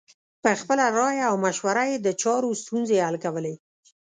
په خپله رایه او مشوره یې د چارو ستونزې حل کولې.